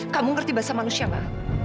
kamu ngerti bahasa manusia mbak